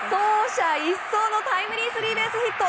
走者一掃のタイムリースリーベースヒット！